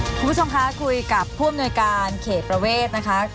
คุณผู้ชมคะคุยกับผู้อำนวยการเขตประเวทนะคะ